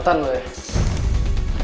terbang e phan lo ya